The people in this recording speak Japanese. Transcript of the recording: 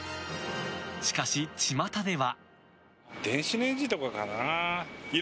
しかし、ちまたでは。